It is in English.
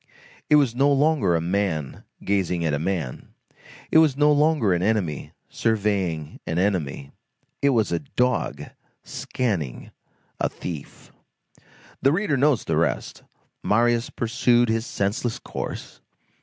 It was no longer a man gazing at a man; it was no longer an enemy surveying an enemy. It was a dog scanning a thief. The reader knows the rest. Marius pursued his senseless course.